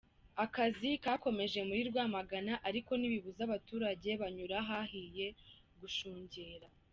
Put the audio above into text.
Akazi kakomeje muri Rwamagana, ariko ntibibuza abaturage banyura ahahiye gushungera.